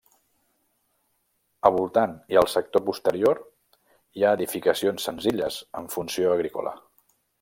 A voltant i al sector posterior hi ha edificacions senzilles amb funció agrícola.